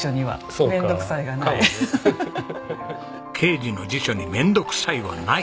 「啓二の辞書に面倒くさいはない」。